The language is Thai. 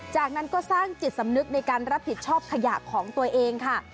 จากนั้นก็สร้างจิตสำนึกในการรับผิดชอบขยะของตัวเองค่ะ